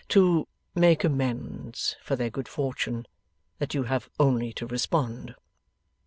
to make amends for their good fortune, that you have only to respond.